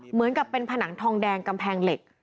เหมือนกับเป็นผนังทองแดงกำแพงเหล็ก